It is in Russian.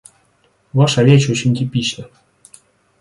Ваша речь очень типична.